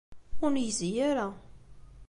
Ur negzi ara.